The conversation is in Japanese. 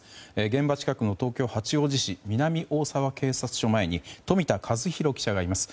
現場近くの東京・八王子市南大沢警察署前に冨田和裕記者がいます。